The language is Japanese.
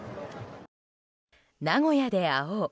名古屋で会おう。